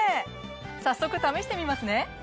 早速試してみますね！